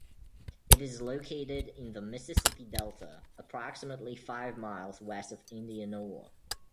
It is located in the Mississippi Delta, approximately five miles west of Indianola.